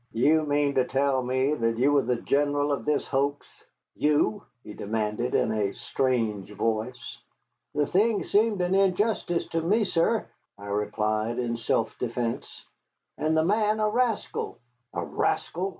"Do you mean to tell me that you were the general of this hoax you?" he demanded in a strange voice. "The thing seemed an injustice to me, sir," I replied in self defence, "and the man a rascal." "A rascal!"